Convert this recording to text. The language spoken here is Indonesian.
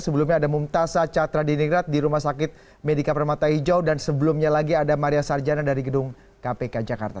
sebelumnya ada mumtasa catra diningrat di rumah sakit medika permata hijau dan sebelumnya lagi ada maria sarjana dari gedung kpk jakarta